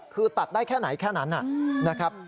คือตัดได้แค่ไหนแค่นั้นนะครับ